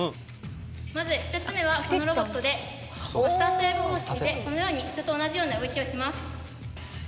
まず１つ目はこのロボットでマスタースレーブ方式でこのように人と同じような動きをします。